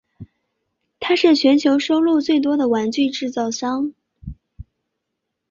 它是全球收入最多的玩具制造商。